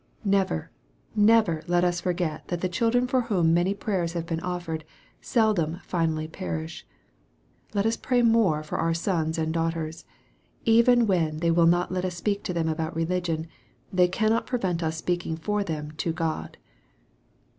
Never, never let us forget that the children for whom many prayers have been offered, seldom finally perish. Let us pray more for our sons and daughters. Even when they will not let us speak to them about religion, they cannot prevent us speaking for them to God.